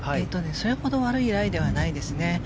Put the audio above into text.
それほど悪いライではないですね。